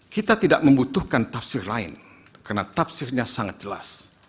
kita tidak membutuhkan tafsir lain karena tafsirnya sangat jelas